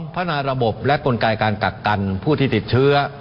พัฒนาระบบและกลไกการกักกันผู้ที่ติดเชื้อ